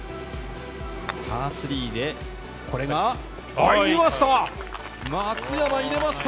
パー３でこれが入りました！